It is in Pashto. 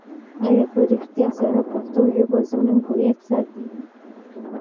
آیا په رښتیا سره پښتو ژبه زموږ هویت ساتي؟